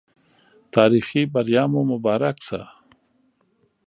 تاريخي بریا مو مبارک سه